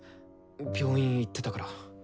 病院行ってたから。